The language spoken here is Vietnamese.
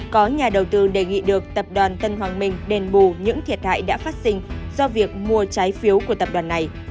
có nhà đầu tư đề nghị được tập đoàn tân hoàng minh đền bù những thiệt hại đã phát sinh do việc mua trái phiếu của tập đoàn này